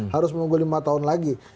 harus menunggu lima tahun lagi